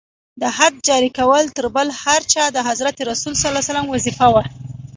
د حد جاري کول تر بل هر چا د حضرت رسول ص وظیفه وه.